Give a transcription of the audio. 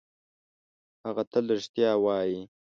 هغه تل رښتیا وايي.